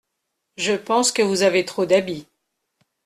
Je pense que vous avez trop d’habits.